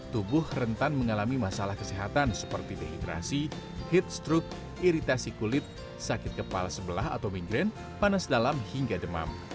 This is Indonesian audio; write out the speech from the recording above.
tubuh rentan mengalami masalah kesehatan seperti dehidrasi heat stroke iritasi kulit sakit kepala sebelah atau migrain panas dalam hingga demam